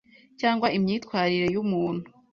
cyangwa imyitwarire y’umuntu.